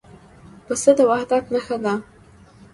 پسه د وحدت نښه ده.